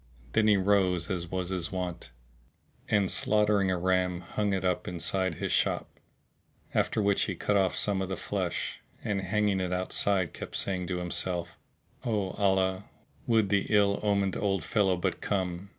Then he rose as was his wont, and slaughtering a ram hung it up inside his shop; after which he cut off some of the flesh, and hanging it outside kept saying to himself, "O Allah, would the ill omened old fellow but come!"